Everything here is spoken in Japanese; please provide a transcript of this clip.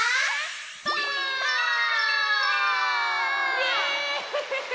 イエーイ！